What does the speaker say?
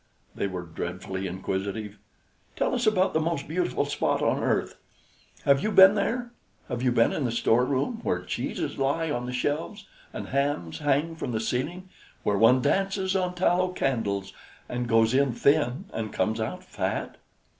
They were dreadfully inquisitive. "Tell us about the most beautiful spot on earth. Have you been there? Have you been in the store room, where cheeses lie on the shelves, and hams hang from the ceiling, where one dances on tallow candles, and goes in thin and comes out fat?"